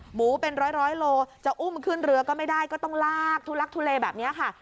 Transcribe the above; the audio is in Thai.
หมูเป็นร้อยโลจะอุ้มขึ้นเรือก็ไม่ได้ก็ต้องลากทุลักทุเลแบบนี้ค่ะ